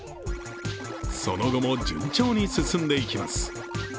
その後も、順調に進んでいきます